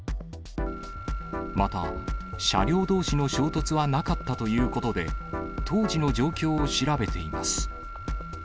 また、車両どうしの衝突はなかったということで、当時の状況を調べています。